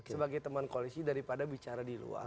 sebagai teman koalisi daripada bicara di luar